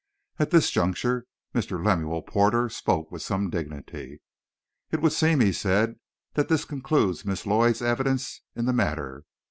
At this juncture, Mr. Lemuel Porter spoke with some dignity. "It would seem," he said, "that this concludes Miss Lloyd's evidence in the matter.